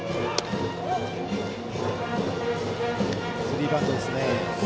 スリーバントですね。